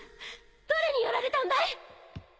誰にやられたんだい！？